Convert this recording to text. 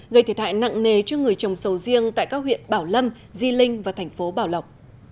gây thiệt hại nặng nề cho người trồng sầu riêng tại các huyện bảo lâm di linh và thành phố bảo lộc